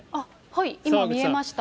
今、見えました。